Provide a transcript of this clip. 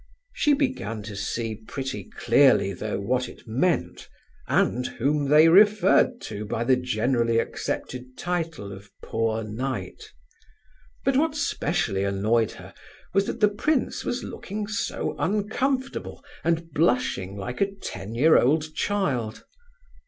She began to see pretty clearly though what it meant, and whom they referred to by the generally accepted title of "poor knight." But what specially annoyed her was that the prince was looking so uncomfortable, and blushing like a ten year old child.